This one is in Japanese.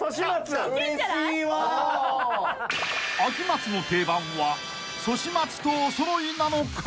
［秋松の定番はソシ松とおそろいなのか？］